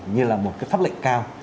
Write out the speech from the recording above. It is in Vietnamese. như là một pháp lệnh cao